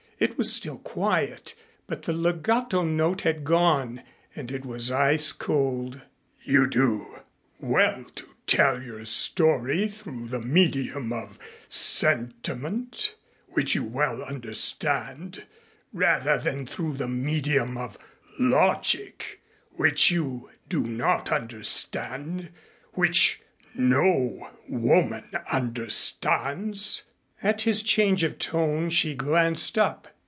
It was still quiet but the legato note had gone, and it was ice cold. "You do well to tell your story through the medium of sentiment which you well understand, rather than through the medium of logic, which you do not understand, which no woman understands." At his change of tone she glanced up.